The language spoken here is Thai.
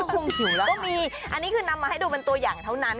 ก็มีอันนี้คือนำมาให้ดูเป็นตัวอย่างเท่านั้น